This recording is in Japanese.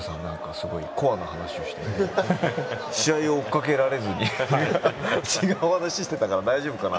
すごいコアな話をして試合を追っかけられずに違うお話ししてたから大丈夫かな？